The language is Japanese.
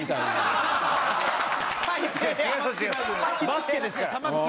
バスケですから。